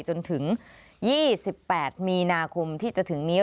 จนถึง๒๘มีนาคมที่จะถึงนี้